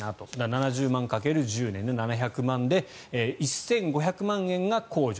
７０万掛ける１０年で７００万で１５００万円が控除。